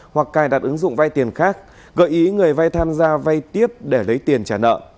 hoặc cài đặt ứng dụng vay tiền khác gợi ý người vay tham gia vay tiếp để lấy tiền trả nợ